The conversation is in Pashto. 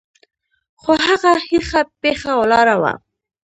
خو هغه هيښه پيښه ولاړه وه.